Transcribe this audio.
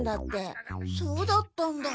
そうだったんだ。